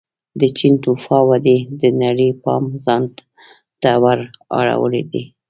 د چین توفا ودې د نړۍ پام ځان ته ور اړولی دی.